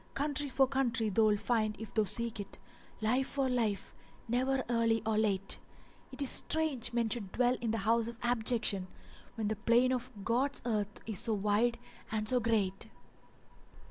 Country for country thou'lt find, if thou seek it; * Life for life never, early or late. It is strange men should dwell in the house of abjection, * When the plain of God's earth is so wide and so great!"